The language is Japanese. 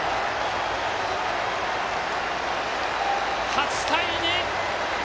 ８対２！